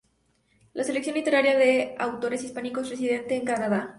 La selección literaria de autores hispánicos residente en Canadá.